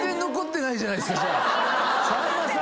さんまさん！